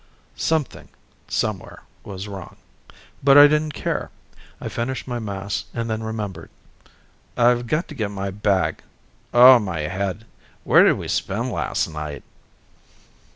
Something, somewhere, was wrong. But I didn't care. I finished my mass and then remembered. "I've got to get my bag. Oh, my head. Where did we spend last night?"